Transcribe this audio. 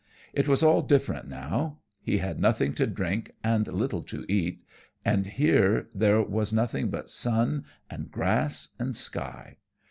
It was all different now. He had nothing to drink and little to eat, and here, there was nothing but sun, and grass, and sky.